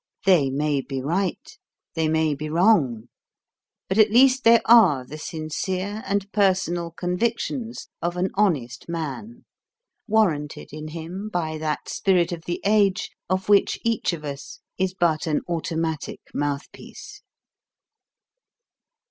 They may be right, they may be wrong. But at least they are the sincere and personal convictions of an honest man, warranted in him by that spirit of the age, of which each of us is but an automatic mouthpiece.